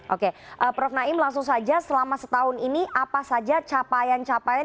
oke prof naim langsung saja selama setahun ini apa saja capaian capaian